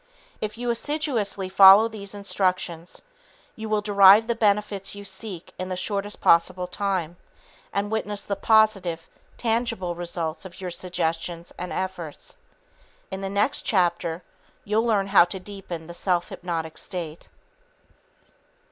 If you assiduously follow these instructions, you will derive the benefits you seek in the shortest possible time and witness the positive, tangible results of your suggestions and efforts. In the next chapter, you'll learn how to deepen the self hypnotic state.